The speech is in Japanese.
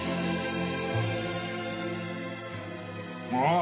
あ。